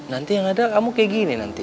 nanti yang ada kamu kayak gini nanti